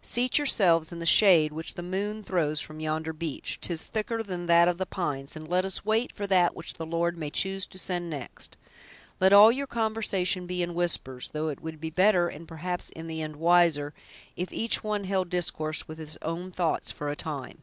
Seat yourselves in the shade which the moon throws from yonder beech—'tis thicker than that of the pines—and let us wait for that which the Lord may choose to send next. Let all your conversation be in whispers; though it would be better, and, perhaps, in the end, wiser, if each one held discourse with his own thoughts, for a time."